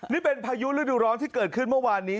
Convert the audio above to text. นี่เป็นพายุฤดูร้อนที่เกิดขึ้นเมื่อวานนี้